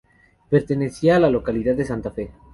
Pertenecía a la localidad de Santa Fe.